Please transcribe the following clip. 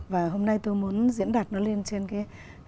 và hôm nay tôi muốn diễn đặt nó lên trên cái